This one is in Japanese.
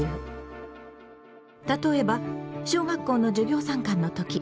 例えば小学校の授業参観の時。